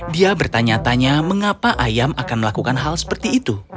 dia bertanya tanya mengapa ayam akan melakukan hal seperti itu